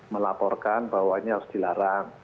melaporkan bahwa ini harus dilarang